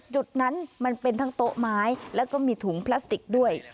จุดนั้นมันเป็นทั้งโต๊ะไม้แล้วก็มีถุงพลาสติกด้วย